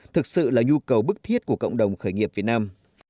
thực sự là nhu cầu bức thiết của cộng đồng khởi nghiệp việt nam